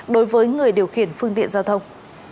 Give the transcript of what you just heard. đối với người điều khiển phương tiện giao thông